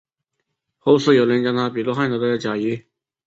后世有人将他比作汉朝的贾谊。